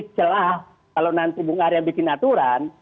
kalau nanti bumn aria bikin aturan